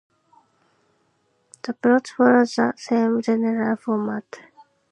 The plots followed the same general format.